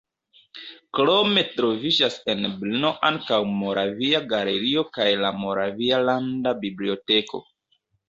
Krome troviĝas en Brno ankaŭ la Moravia galerio kaj la Moravia landa biblioteko.